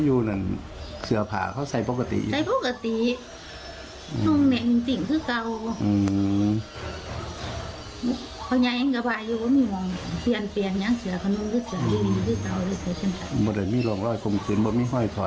อื้ม